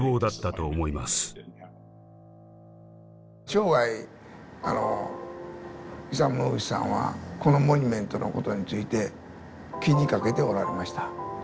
生涯イサム・ノグチさんはこのモニュメントのことについて気にかけておられました。